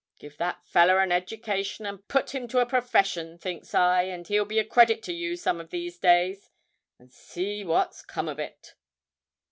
Give that feller an education and put him to a profession, thinks I, and he'll be a credit to you some of these days. And see what's come of it!'